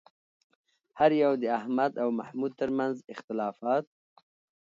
هر یو د احمد او محمود ترمنځ اختلافات